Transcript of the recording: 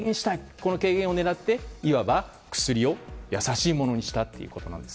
この軽減を狙っていわば薬をやさしいものにしたということです。